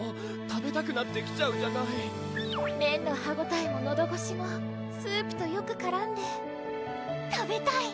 食べたくなってきちゃうじゃない麺の歯ごたえものどごしもスープとよくからんで食べたい